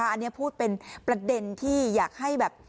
อันนี้พูดเป็นประเด็นที่อยากให้แบบ